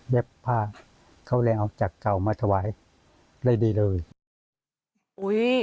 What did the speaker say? เย็บผ้าเขาเลี้ยงออกจากเก่ามาถวายได้ดีเลย